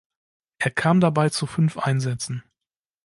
Er kam dabei zu fünf Einsätzen.